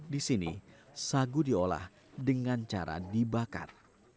di sini sagu diolah dengan cara dibakar